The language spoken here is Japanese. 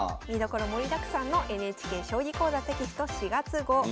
見どころ盛りだくさんのＮＨＫ「将棋講座」テキスト４月号。